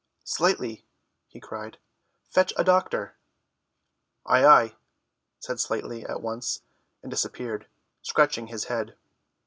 "Slightly," he cried, "fetch a doctor." "Ay, ay," said Slightly at once, and disappeared, scratching his head.